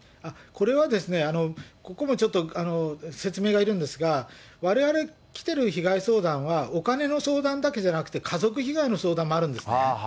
これは、ここもちょっと説明がいるんですが、われわれ、来てる被害相談は、お金の相談だけじゃなくて、家族被害の相談もあるんですね。